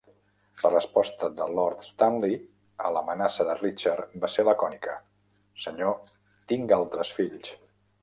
La resposta de Lord Stanley a l'amenaça de Richard va ser lacònica: "Senyor, tinc altres fills".